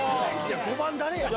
５番誰や？